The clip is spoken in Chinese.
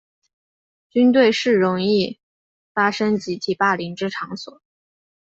军队是容易发生集体霸凌之场所。